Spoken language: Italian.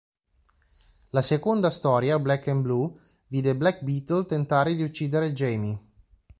La seconda storia, Black and Blue, vide Black Beetle tentare di uccidere Jaime.